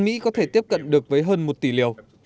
mỹ có thể tiếp cận được với hơn một tỷ liều